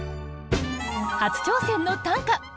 初挑戦の短歌。